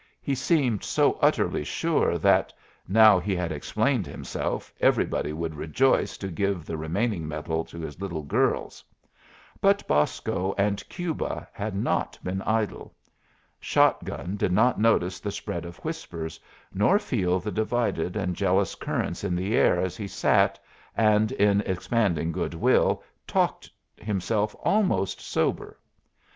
He seemed so utterly sure that, now he had explained himself, everybody would rejoice to give the remaining medal to his little girls. But Bosco and Cuba had not been idle. Shotgun did not notice the spread of whispers, nor feel the divided and jealous currents in the air as he sat, and, in expanding good will, talked himself almost sober.